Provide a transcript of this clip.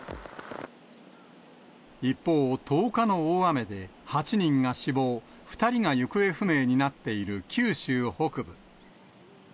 一方、１０日の大雨で８人が死亡、２人が行方不明になっている九州北部。